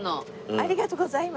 ありがとうございます。